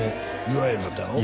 言わへんかったんやろ？